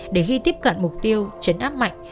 để khi tiếp cận mục tiêu chấn áp mạnh